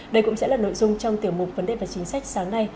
đây cũng sẽ là nội dung trong tiểu mục vấn đề và chính sách sáng nay